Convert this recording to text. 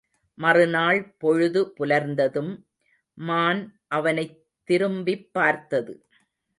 மறு நாள் பொழுது புலர்ந்ததும், மான் அவனைத் திரும்பிப் பார்த்தது.